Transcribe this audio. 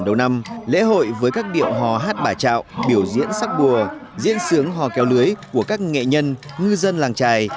đầu năm lễ hội với các điệu hò hát bà trạo biểu diễn sắc bùa diễn sướng hò kéo lưới của các nghệ nhân ngư dân làng trài